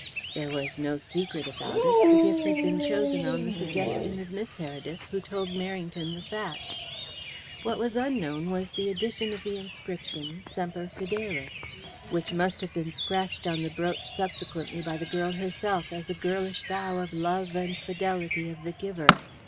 There was no secret about it; the gift had been chosen on the suggestion of Miss Heredith, who told Merrington the facts. What was unknown was the addition of the inscription, "Semper Fidelis," which must have been scratched on the brooch subsequently by the girl herself as a girlish vow of love and fidelity of the giver.